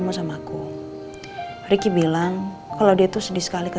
mama gak mau itu terjadi ma